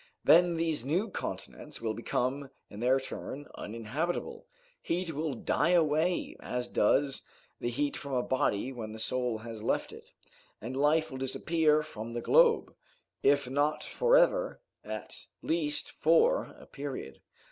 Then these new continents will become, in their turn, uninhabitable; heat will die away, as does the heat from a body when the soul has left it; and life will disappear from the globe, if not for ever, at least for a period.